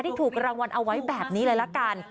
ถูกรางวัลเอาไว้แบบนี้เลยละกัน